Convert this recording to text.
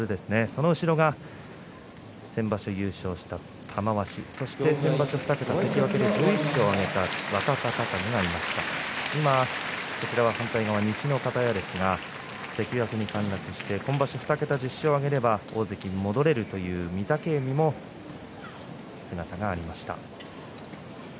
その後ろに先場所優勝した玉鷲そして先場所２桁関脇で１１勝を挙げた若隆景がいますが反対側西の方屋ですが関脇に陥落して今場所２桁１０勝を挙げれば大関に戻れるという御嶽海の姿がありました。